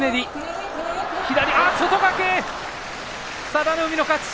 佐田の海の勝ち。